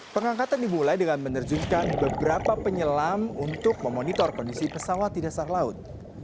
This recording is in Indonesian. pengangkatan dimulai dengan menerjunkan beberapa penyelam untuk memonitor kondisi pesawat di dasar laut